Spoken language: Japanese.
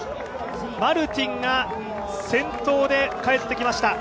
マルティンが先頭で帰ってきました。